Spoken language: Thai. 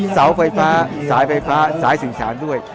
เสาไฟฟ้าสายไฟฟ้าสายสื่อสารด้วย